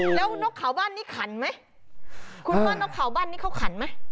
แล้วนกเขาบ้านนี้ขันไหมคุณพ่อนกเขาบ้านนี้เขาขันไหม